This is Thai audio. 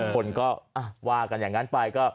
คนก็ว่ากันอย่างนั้นไปก็